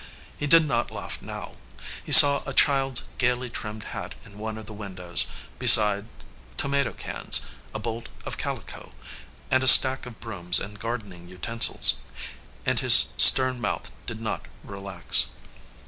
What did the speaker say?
He did not laugh now. He saw a child s gaily trimmed hat in one 296 "A RETREAT TO THE GOAL" of the windows, beside tomatc cans, a bolt of cal ico, and a stack of brooms and gardening utensils, and his stern mouth did not relax.